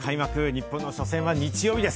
日本の初戦は日曜日です。